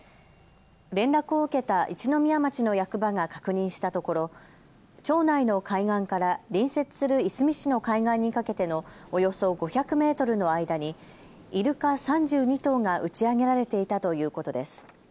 連絡を受けた一宮町の役場が確認したところ、町内の海岸から隣接するいすみ市の海岸にかけてのおよそ５００メートルの間にイルカ３２頭が打ち上げられていたということです。